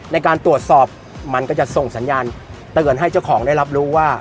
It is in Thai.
ในการตรวจสอบมันก็จะส่งสัญญาณเตือนให้เจ้าของได้รับรู้ว่า